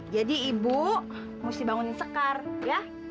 jadi ibu mesti bangunin sekar ya